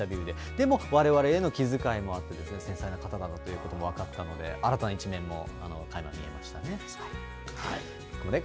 でも、われわれへの気遣いもあって、繊細な方だなというのも分かったので、新たな一面もかいま見えましたね。